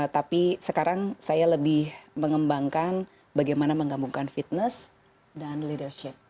tapi sekarang saya lebih mengembangkan bagaimana menggambungkan fitness dan leadership